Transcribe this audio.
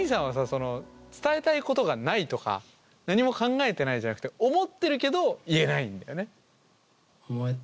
その伝えたいことがないとか何も考えてないじゃなくて思ってるけど言えないんだよね。